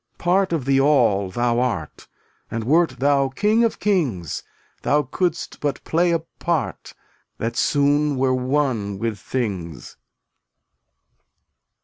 Part of the All thou art, And wert thou king of kings, Thou couldst but play a part That soon were one with things.